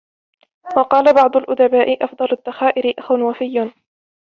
وَقَالَ بَعْضُ الْأُدَبَاءِ أَفْضَلُ الذَّخَائِرِ أَخٌ وَفِيٌّ